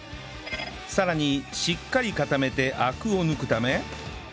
さらにしっかり固めてアクを抜くため